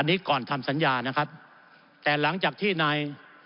อันนี้ก่อนทำสัญญานะครับแต่หลังจากที่นาย